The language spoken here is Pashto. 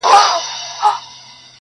o هغه به اور له خپلو سترګو پرېولي.